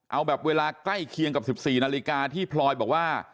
เอาแบบเวลาใกล้เคียงกับ๑๔นาฬิกาที่พลอยบอกว่า